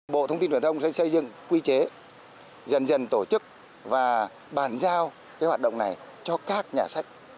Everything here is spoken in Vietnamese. bộ thông tin truyền thông sẽ xây dựng quy chế dần dần tổ chức và bàn giao hoạt động này cho các nhà sách